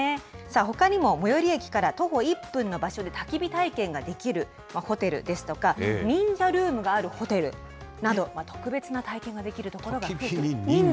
ほかにも最寄駅から徒歩１分の場所でたき火体験ができるホテルですとか、忍者ルームがある特別な体験ができるホテルが。